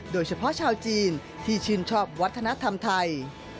โดยเฉพาะชาวจีนที่ชื่นชอบวัฒนธรรมไทย